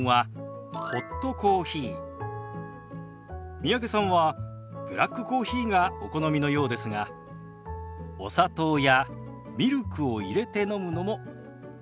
三宅さんはブラックコーヒーがお好みのようですがお砂糖やミルクを入れて飲むのもおすすめです。